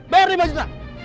bayar lima juta